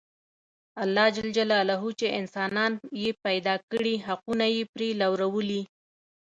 الله ج چې انسانان یې پیدا کړي حقونه یې پرې لورولي.